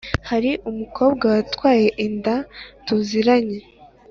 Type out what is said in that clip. hari umukobwa watwaye inda tuziranye